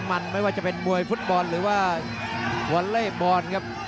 มันไม่ว่าจะเป็นมวยฟุตบอลหรือว่าวอลเล่บอลครับ